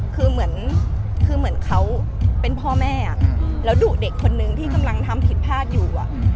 คือเหมือนคือเหมือนเขาเป็นพ่อแม่แล้วดุเด็กคนนึงที่กำลังทำผิดพลาดอยู่